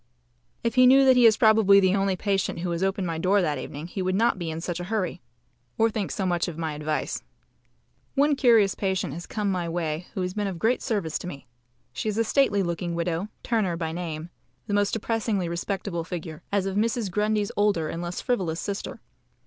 If he knew that he is probably the only patient who has opened my door that evening he would not be in such a hurry or think so much of my advice. One curious patient has come my way who has been of great service to me. She is a stately looking widow, Turner by name, the most depressingly respectable figure, as of Mrs. Grundy's older and less frivolous sister.